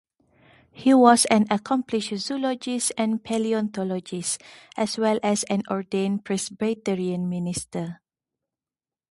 He was an accomplished zoologist and paleontologist, as well as an ordained Presbyterian minister.